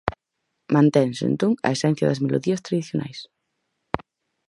Mantense, entón, a esencia das melodías tradicionais.